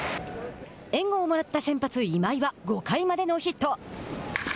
援護をもらった先発今井は５回までノーヒット。